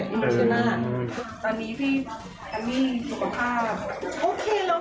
ใช่ไหมครับตอนนี้พี่พี่ธุระภาพ